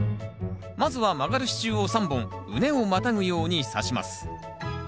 まずは曲がる支柱を３本畝をまたぐようにさします。